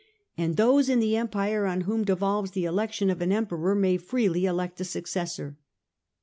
And those in the Empire on whom devolves the election of an Emperor may freely elect a successor.